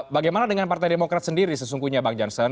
bagaimana dengan partai demokrat sendiri sesungguhnya bang jansen